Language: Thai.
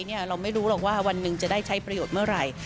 เราไม่รู้หรอกว่าวันหนึ่งจะได้ใช้ประโยชน์เมื่อไหร่